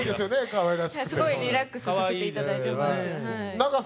かわいらしくてすごいリラックスさせていただいてます